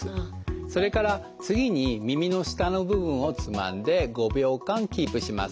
それから次に耳の下の部分をつまんで５秒間キープします。